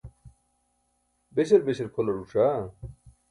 beśal beśal kʰolar ẓuc̣aa?